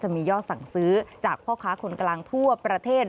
มียอดสั่งซื้อจากพ่อค้าคนกลางทั่วประเทศ